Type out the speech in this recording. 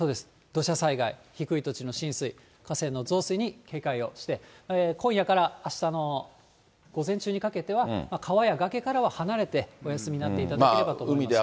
土砂災害、低い土地の浸水、河川の増水に警戒をして、今夜からあしたの午前中にかけては、川や崖からは離れてお休みになっていただければと思います。